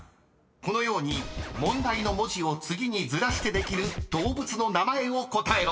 このように問題の文字を次にずらしてできる動物の名前を答えろ］